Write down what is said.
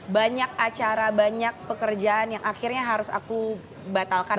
banyak acara banyak pekerjaan yang akhirnya harus aku batalkan